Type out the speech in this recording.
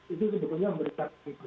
itu sebetulnya memberikan kesempatan